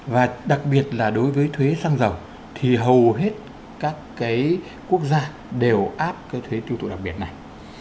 và đặc biệt là đối với thuế xăng dầu thì hầu hết các cái quốc gia đều áp cái thuế tiêu thụ đặc biệt này